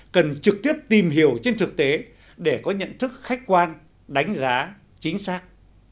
cần trực tiếp tìm hiểu trên thực tế để có nhận thức khách quan đánh giá chính xác